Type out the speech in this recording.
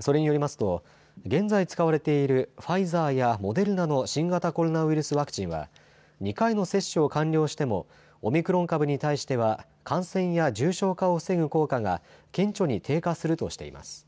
それによりますと現在使われているファイザーやモデルナの新型コロナウイルスワクチンは２回の接種を完了してもオミクロン株に対しては感染や重症化を防ぐ効果が顕著に低下するとしています。